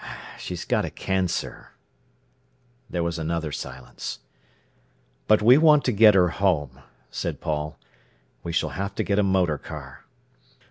"She's got a cancer." There was another silence. "But we want to get her home," said Paul. "We s'll have to get a motor car."